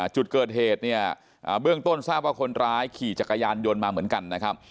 จุดเกิดเหตุเนี่ยเบื้องต้นทราบว่าคนร้ายขี่จักรยานยนต์มาเหมือนกันนะครับ